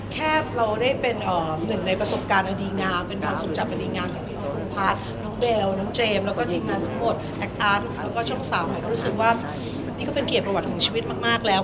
ก็รู้สึกว่านี่ก็เป็นเกียรติประวัติของชีวิตมากแล้ว